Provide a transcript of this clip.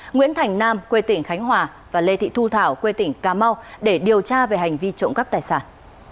nguyễn thành nam quê tỉnh khánh hòa và lê thị thu thảo quê tỉnh cà mau để điều tra về hành vi trộm cắp tài sản